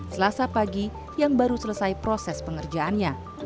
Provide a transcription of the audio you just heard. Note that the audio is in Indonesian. selasa pagi yang baru selesai proses pengerjaannya